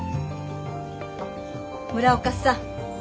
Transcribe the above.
村岡さん。